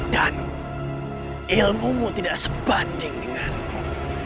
danu ilmumu tidak sebanding denganmu